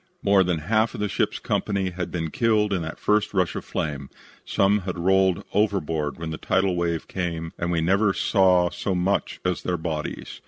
More than half the ship's company had been killed in that first rush of flame. Some had rolled overboard when the tidal wave came and we never saw so much as their bodies.